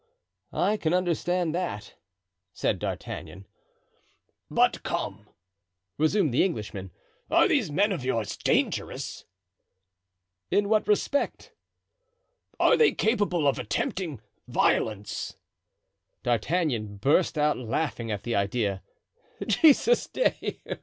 "I can understand that," said D'Artagnan. "But, come," resumed the Englishman, "are these men of yours dangerous?" "In what respect?" "Are they capable of attempting violence?" D'Artagnan burst out laughing at the idea. "Jesus Dieu!"